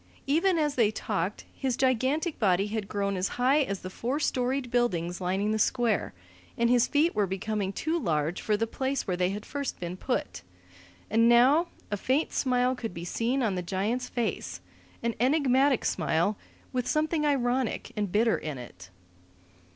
Even as they talked, his gigantic body had grown as high as the four storied buildings lining the Square, and his feet were becoming too large for the place where they had first been put. And now a faint smile could be seen on the giant's face, an enigmatic smile, with something ironic and bitter in it.